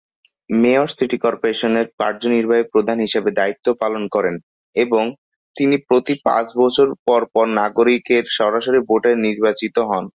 Mayor city কর্পোরেশনের কার্যনির্বাহী প্রধান হিসাবে দায়িত্ব পালন করেন এবং তিনি প্রতি পাঁচ বছর পরপর নাগরিকের সরাসরি ভোটে নির্বাচিত হন।